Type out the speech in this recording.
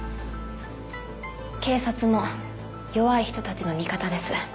警察も弱い人たちの味方です。